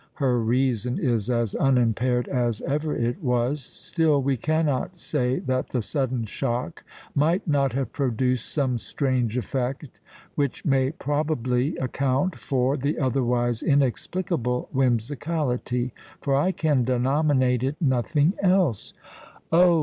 her reason is as unimpaired as ever it was, still we cannot say that the sudden shock might not have produced some strange effect which may probably account for the otherwise inexplicable whimsicality—for I can denominate it nothing else——" "Oh!